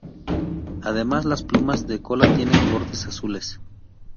Además las plumas de cola tienen bordes azules.